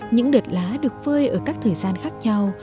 những đợt lá được vơi ở các thời gian khác nhau